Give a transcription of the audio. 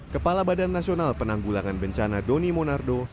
kepala badan nasional penanggulangan bencana doni monardo